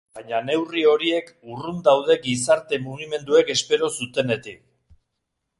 Baina neurri horiek urrun daude gizarte-mugimenduek espero zutenetik.